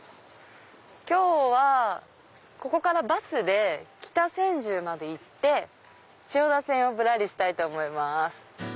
今日はここからバスで北千住まで行って千代田線をぶらりしたいと思います。